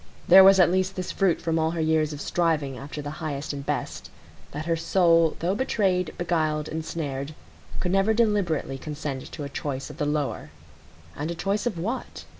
There was at least this fruit from all her years of striving after the highest and best,—that her soul though betrayed, beguiled, ensnared, could never deliberately consent to a choice of the lower. And a choice of what?